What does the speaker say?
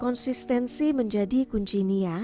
konsistensi menjadi kunci nia